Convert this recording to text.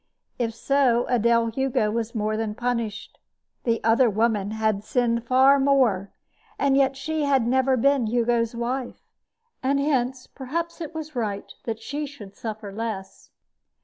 If so, Adele Hugo was more than punished. The other woman had sinned far more; and yet she had never been Hugo's wife; and hence perhaps it was right that she should suffer less.